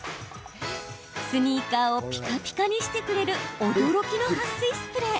スニーカーをピカピカにしてくれる驚きのはっ水スプレー。